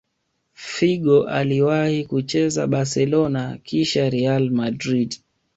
figo aliwahi kucheza barcelona kisha real madrid